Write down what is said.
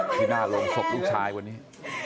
ที่หน้าโรงศพลูกชายวันนี้